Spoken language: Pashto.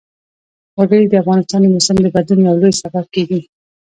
وګړي د افغانستان د موسم د بدلون یو لوی سبب کېږي.